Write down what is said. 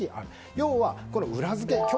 要は、裏付け。